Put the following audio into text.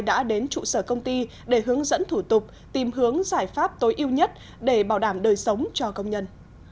đã đến trụ sở công ty để hướng dẫn thủ tục tìm hướng giải pháp tối ưu nhất để bảo đảm đời sống cho công nhân